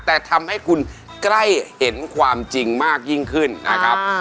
แต่ทำให้คุณใกล้เห็นความจริงมากยิ่งขึ้นนะครับ